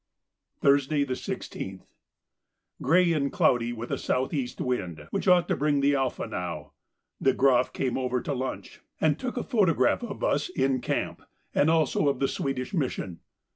Thursday, the 16th.—Grey and cloudy, with a south east wind which ought to bring the 'Alpha' now. De Groff came over to lunch and took a photograph of us 'in camp,' and also of the Swedish Mission.